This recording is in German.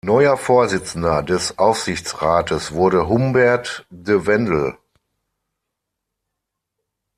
Neuer Vorsitzender des Aufsichtsrates wurde Humbert de Wendel.